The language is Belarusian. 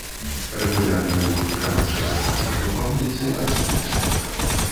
Рэгулярны рух грамадскага транспарту па вуліцы адсутнічае.